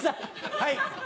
はい。